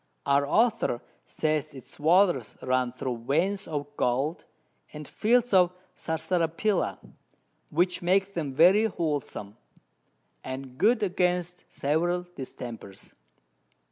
Our Author says its Waters run thro' Veins of Gold, and Fields of Sarsaparilla, which make them very wholesom, and good against several Distempers.